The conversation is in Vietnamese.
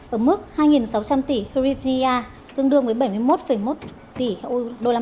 ở mức hai sáu trăm linh tỷ hryvnia tương đương với bảy mươi một một tỷ usd